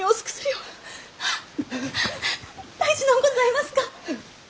大事のうございますか？